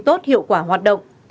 tốt hiệu quả hoạt động